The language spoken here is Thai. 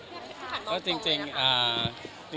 อะไรพิเศษที่ขัดลองตัวเนี่ยคะ